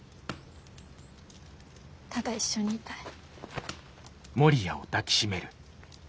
ただ一緒にいたい。